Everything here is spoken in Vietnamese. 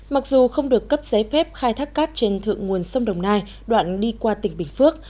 mặc dù không được cấp giấy phép khai thác cát trên thượng nguồn sông đồng nai đoạn đi qua tỉnh bình phước